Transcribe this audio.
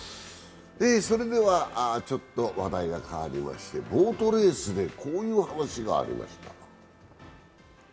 話題が変わりましてボートレースでこういう話がありました。